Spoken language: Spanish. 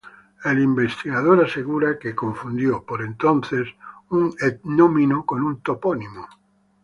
El investigador asegura que se confundió, por entonces, un etnónimo con un toponímico.